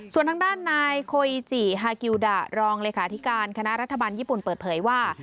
ส่วนทางด้านนายโคจิฮากิวดะรองเลขาธิการคณะรัฐบาลญี่ปุ่นเปิดเผยว่า